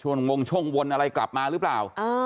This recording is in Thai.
วงช่วงวนอะไรกลับมาหรือเปล่า